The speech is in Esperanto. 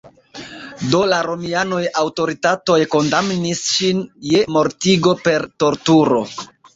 Do la romiaj aŭtoritatoj kondamnis ŝin je mortigo per torturo.